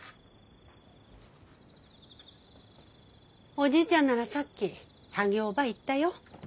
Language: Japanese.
おじいちゃんならさっき作業場行ったよ。